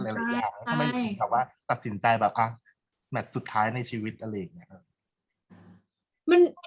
ทำไมถึงแบบว่าตัดสินใจแบบสุดท้ายในชีวิตอะไรอย่างนี้